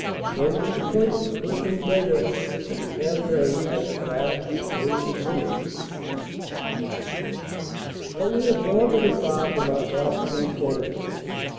No disappointment could have been greater than Cambrai as at last we came to see it But we have wandered afar from our gossiping soldiers.